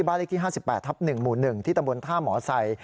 เลขที่๕๘ทับ๑หมู่๑ที่ตำบลท่าหมอไซ